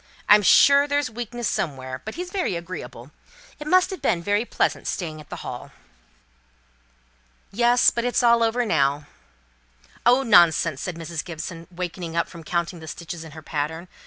I'm sure there's weakness somewhere; but he's very agreeable. It must have been very pleasant, staying at the Hall." "Yes; but it's all over now." "Oh, nonsense!" said Mrs. Gibson, wakening up from counting the stitches in her pattern.